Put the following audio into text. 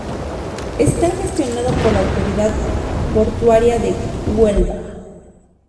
Está gestionado por la autoridad portuaria de Huelva.